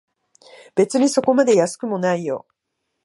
別にそこまで安くもないよ